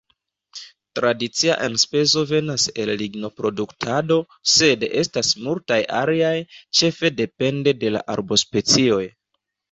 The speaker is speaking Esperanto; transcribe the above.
Tradicia enspezo venas el lignoproduktado, sed estas multaj aliaj, ĉefe depende de la arbospecioj.